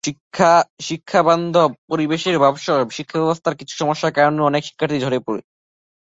শিক্ষাবান্ধব পরিবেশের অভাবসহ শিক্ষাব্যবস্থার কিছু সমস্যার কারণেও অনেক শিক্ষার্থী ঝরে পড়ে।